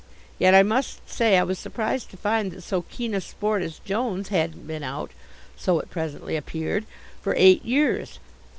Yet I must say I was surprised to find that so keen a sport as Jones hadn't been out so it presently appeared for eight years.